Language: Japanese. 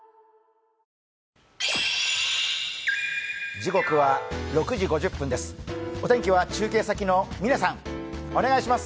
時刻は６時５０分です。